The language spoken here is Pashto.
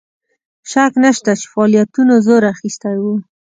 شک نسته چې فعالیتونو زور اخیستی وو.